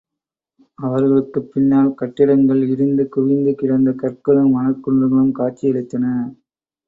அவர்களுக்குப் பின்னால் கட்டிடங்கள் இடிந்து குவிந்து கிடந்த கற்களும், மணற் குன்றுகளும் காட்சியளித்தன.